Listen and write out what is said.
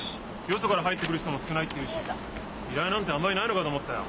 よそから入ってくる人も少ないって言うし依頼なんてあんまりないのかと思ったよ。